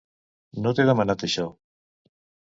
No t'he demanat això.